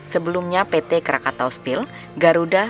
sebelumnya pt krakatau steel garuda